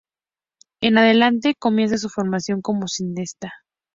En adelante, comienza su formación como cineasta.